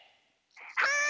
はい！